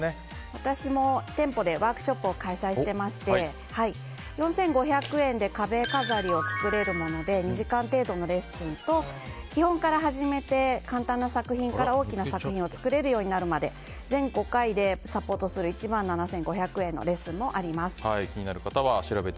私も店舗でワークショップを開催していまして４５００円で壁飾りを作れるもので２時間程度のレッスンと基本から始めて簡単な作品から大きな作品を作れるようになるまで全５回でサポートする１万７５００円のあと１周！